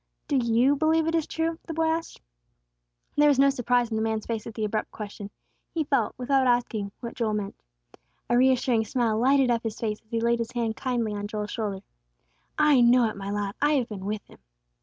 "Do you believe it is true?" the boy asked. There was no surprise in the man's face at the abrupt question, he felt, without asking, what Joel meant. A reassuring smile lighted up his face as he laid his hand kindly on Joel's shoulder. "I know it, my lad; I have been with Him."